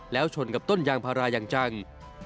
แล้วชนกับต้นยางพาราอย่างจัง